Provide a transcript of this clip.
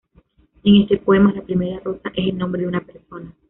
En este poema, la primera "Rosa" es el nombre de una persona.